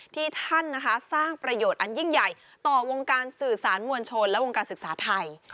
ที่ท่านสร้างประโยชน์อันยิ่งใหญ่ต่อวงการสื่อสารมวลชนและวงการศึกษาไทย